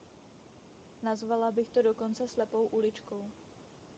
Nazvala bych to dokonce slepou uličkou.